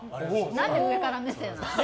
何で上から目線なの？